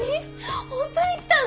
本当に来たの？